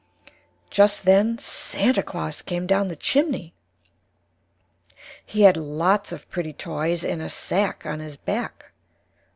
Just then Santa Claus came down the Chimney. He had Lots of Pretty Toys in a Sack on his Back.